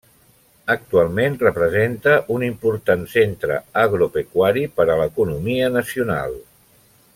Actualment representa un important centre agropecuari per a l'economia nacional.